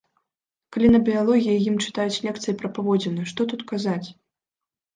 Калі на біялогіі ім чытаюць лекцыі пра паводзіны, што тут казаць?